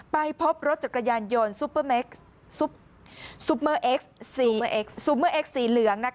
ไปพบรถจัดกระยานยนต์ซุปเปอร์เอ็กซ์๔เหลือง